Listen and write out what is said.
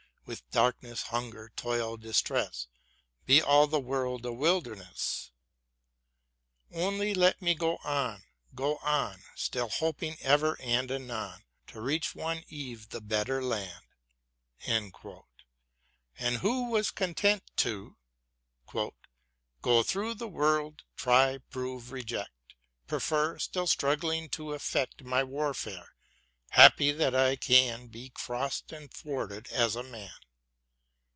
With darkness, hunger, toil, distress : Be all the earth a wilderness ! Only let me go on, go on. Still hoping ever and anon To reach one eve the Better Land, and who was content to Go through the world, try, prove, reject, Prefer, stiU struggling to effect My warfare ; happy that I can '' Be cross'd and thwarted as a man.